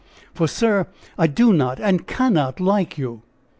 For, sir, I do not and cannot like you!